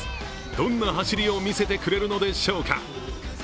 どんな走りを見せてくれるのでしょうか。